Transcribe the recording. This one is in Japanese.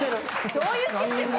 ・どういうシステム？